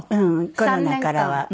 コロナからは。